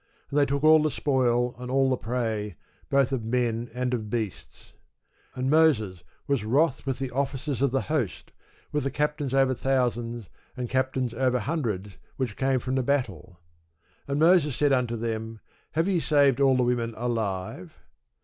And they took all the spoil, and all the prey, both of men and of beasts.... And Moses was wroth with the officers of the host, with the captains over thousands, and captains over hundreds, which came from the battle. And Moses said unto them, Have ye saved all the women alive?